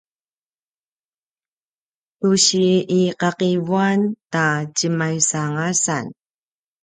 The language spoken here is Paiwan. tu si iqaqivuan ta tjemaisangasan